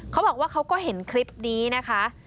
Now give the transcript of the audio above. เขาบอกว่าเขาก็เห็นคลิปนี้นะคะ